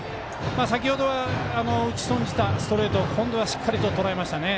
先ほどは、打ち損じたストレートを今度はしっかりとしとめましたね。